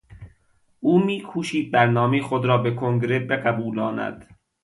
او میکوشید برنامهی خود را به کنگره بقبولاند.